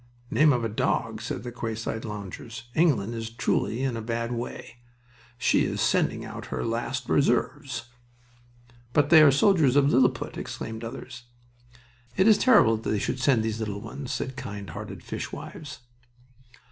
"Name of a dog!" said the quayside loungers. "England is truly in a bad way. She is sending out her last reserves!" "But they are the soldiers of Lilliput!" exclaimed others. "It is terrible that they should send these little ones," said kind hearted fishwives.